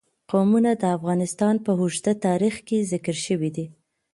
قومونه د افغانستان په اوږده تاریخ کې ذکر شوی دی.